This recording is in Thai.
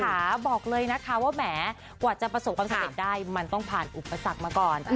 บอกเลยนะคะว่าแหมกว่าจะประสบความสำเร็จได้มันต้องผ่านอุปสรรคมาก่อน